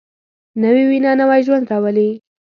نوې وینه نوی ژوند راولي